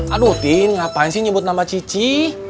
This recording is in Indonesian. aduh tin ngapain sih nyebut nama cici